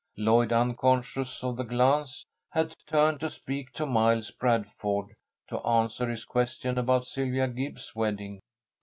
Lloyd, unconscious of the glance, had turned to speak to Miles Bradford, to answer his question about Sylvia Gibbs's wedding.